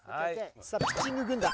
さあピッチング軍団。